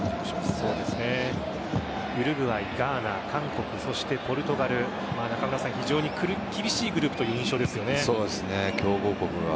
ウルグアイガーナ、韓国、ポルトガル非常に厳しいグループという強豪国が。